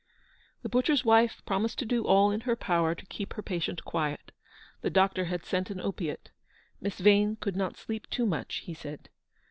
The butcher's wife promised to do all in her power to keep her patient quiet. The doctor had sent an opiate. Miss Yane could not sleep too much, he said.